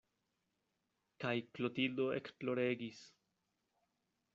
Kaj Klotildo ekploregis.